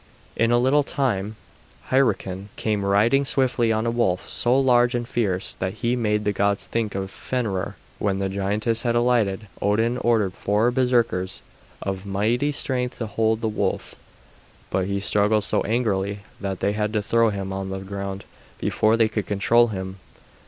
In a little time, Hyrroken came riding swiftly on a wolf so large and fierce that he made the gods think of Fenrer. When the giantess had alighted, Odin ordered four Berserkers of mighty strength to hold the wolf, but he struggled so angrily that they had to throw him on the ground before they could control him.